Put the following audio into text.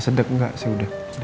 sedek enggak sih udah